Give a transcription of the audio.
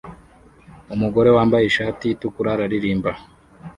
Umugore wambaye ishati itukura araririmba